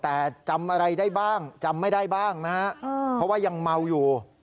แต่จำอะไรได้บ้างจำไม่ได้บ้างนะฮะเพราะว่ายังเมาอยู่